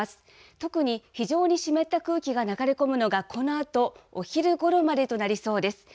特に、非常に湿った空気が流れ込むのが、このあと、お昼頃までとなりそうです。